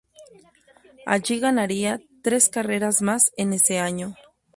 Allí ganaría tres carreras más en ese año.